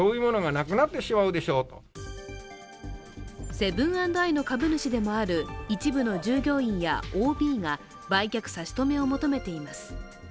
セブン＆アイの株主でもある一部の従業員やＯＢが売却差し止めを求めています。